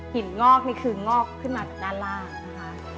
หินงอกนี่คืองอกขึ้นมาด้านล่าง